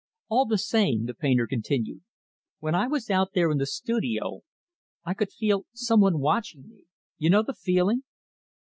"All the same" the painter continued "when I was out there in the studio, I could feel some one watching me you know the feeling."